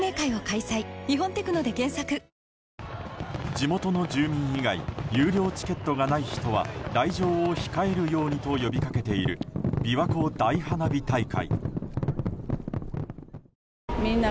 地元の住民以外有料チケットがない人は来場を控えるようにと呼びかけているびわ湖大花火大会。